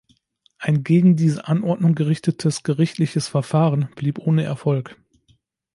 Ein gegen diese Anordnung gerichtetes gerichtliches Verfahren blieb ohne Erfolg.